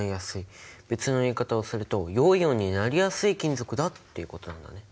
別の言い方をすると陽イオンになりやすい金属だっていうことなんだね。